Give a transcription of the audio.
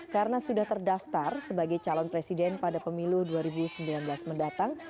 karena sudah terdaftar sebagai calon presiden pada pemilu dua ribu sembilan belas mendatang